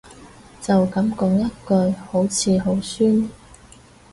就噉講一句好似好酸